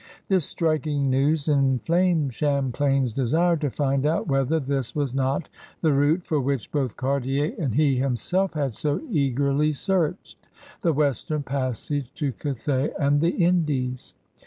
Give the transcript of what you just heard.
This striking news inflamed Champlain's desire to find out whether this was not the route for which both Cartier and he himself had so eagerly searched — the western passage to Cathay and the Indies.